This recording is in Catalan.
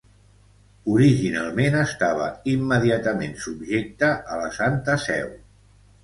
Originalment estava immediatament subjecta a la Santa Seu.